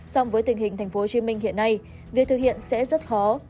song với tình hình tp hcm hiện nay việc thực hiện sẽ rất khó